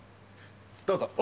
どうぞ。